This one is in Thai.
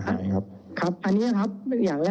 ก็ปรึกษากันว่าจะทำยังไงดีก็เลยไม่รู้ว่าจะทำยังไง